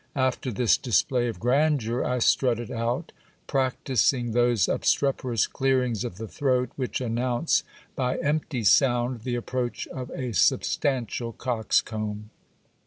After this display of grandeur I strutted out, 282 GIL BLAS. practising those obstreperous clearings of the throat which announce, by empty sound, the approach of a substantial coxcomb.